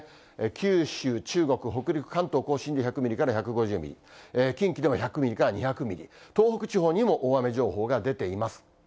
九州、中国、北陸、関東甲信で１００ミリから１５０ミリ、近畿では１００ミリから２００ミリ、東北地方にも大雨情報が出ています。